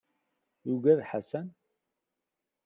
Yuggad Ḥasan?